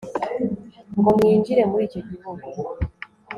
ngo mwinjire muri icyo gihugu